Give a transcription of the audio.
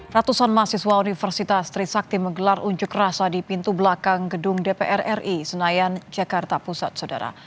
ratusan mahasiswa universitas trisakti menggelar unjuk rasa di pintu belakang gedung dpr ri senayan jakarta pusat saudara